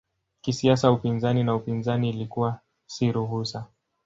Kisiasa upinzani na upinzani ilikuwa si ruhusa.